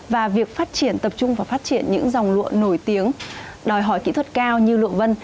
và việc phát triển tập trung và phát triển những dòng lụa nổi tiếng đòi hỏi kỹ thuật cao như lụa vân